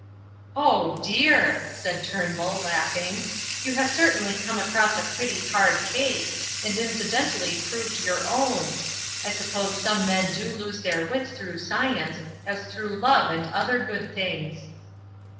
"Oh, dear!" said Turnbull, laughing, "you have certainly come across a pretty bad case, and incidentally proved your own. I suppose some men do lose their wits through science as through love and other good things."